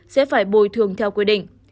sẽ phải bồi thường theo quy định